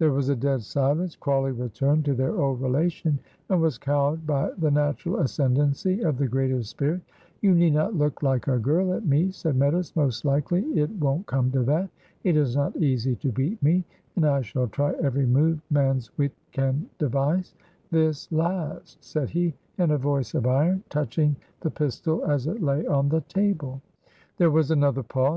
There was a dead silence! Crawley returned to their old relation, and was cowed by the natural ascendency of the greater spirit. "You need not look like a girl at me," said Meadows, "most likely it won't come to that. It is not easy to beat me, and I shall try every move man's wit can devise this last," said he, in a voice of iron, touching the pistol as it lay on the table. There was another pause.